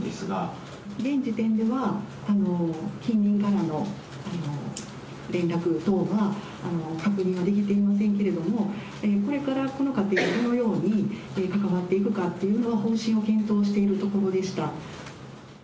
現時点では、近隣からの連絡等は確認できていませんけれども、これからこの家庭とどのように関わっていくかというのは、方針を検討しているところでした。